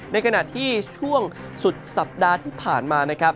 ในขณะที่ช่วงสุดสัปดาห์ที่ผ่านมานะครับ